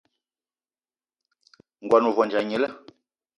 Ngón ohandja gnila